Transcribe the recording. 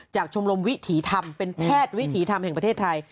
ชมรมวิถีธรรมเป็นแพทย์วิถีธรรมแห่งประเทศไทย